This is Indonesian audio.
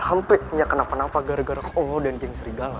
kalo sampe punya kenapa napa gara gara kau lo dan geng serigala